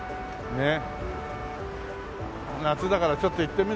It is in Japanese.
ねえ。